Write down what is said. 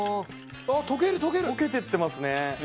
溶けていってますね。